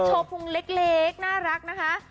โชว์พุงเล็กน่ารักนะคะ